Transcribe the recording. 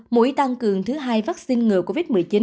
mũi tăng cường thứ hai vaccine ngừa covid một mươi chín